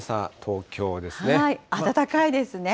暖かいですね。